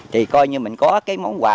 thì coi như mình có cái món quà